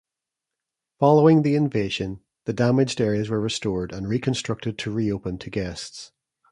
Following the Invasion, the damaged areas were restored and reconstructed to reopen to guests.